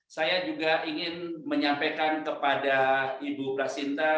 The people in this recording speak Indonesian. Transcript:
saya juga ingin menyampaikan kepada ibu prasinta